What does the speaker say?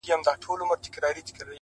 حالاتو داسې جوارې راسره وکړله چي!!